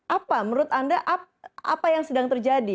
apa menurut anda apa yang sedang terjadi